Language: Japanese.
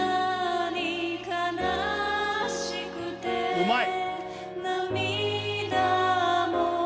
うまい！